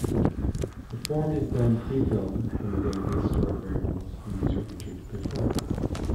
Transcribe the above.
The form is then pre-filled from the database-stored variables the user entered before.